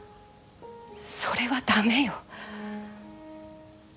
それは駄目よ。